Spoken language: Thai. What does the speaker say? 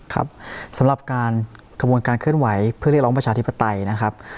ครับสำหรับการกระบวนการเคลื่อนไหวเพื่อเรียกร้องประชาธิปไตยนะครับ